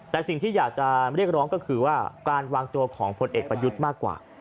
แต่สิ่งที่อยากจะเรียกร้องก็คือว่าการวางตัวของพลเอกประยุทธ์มากกว่า